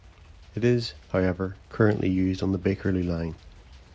It is, however, currently used on the Bakerloo line.